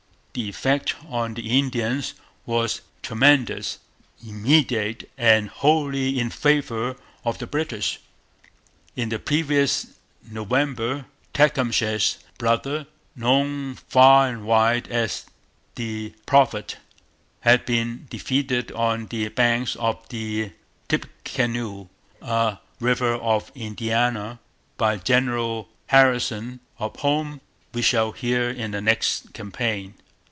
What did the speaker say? The effect on the Indians was tremendous, immediate, and wholly in favour of the British. In the previous November Tecumseh's brother, known far and wide as the 'Prophet,' had been defeated on the banks of the Tippecanoe, a river of Indiana, by General Harrison, of whom we shall hear in the next campaign.